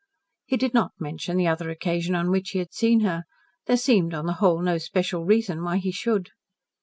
He did not mention the other occasion on which he had seen her. There seemed, on the whole, no special reason why he should.